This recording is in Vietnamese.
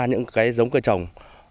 những cây giống cây trồng